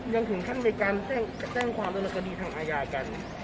ยังถึงขั้นไปการแจ้งความละละกดีทางอาญากัน